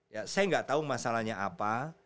ya saya nggak tahu masalahnya apa